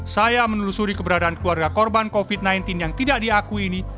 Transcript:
saya menelusuri keberadaan keluarga korban covid sembilan belas yang tidak diakui ini